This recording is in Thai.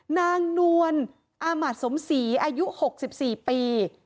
นางนวลอามัติสมศรีอายุ๖๔ปี